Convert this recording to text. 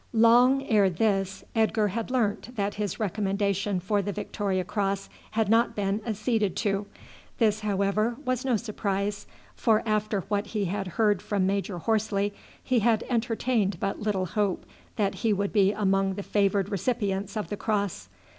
Long ere this Edgar had learnt that his recommendation for the Victoria Cross had not been acceded to. This, however, was no surprise, for after what he had heard from Major Horsley he had entertained but little hope that he would be among the favoured recipients of the cross.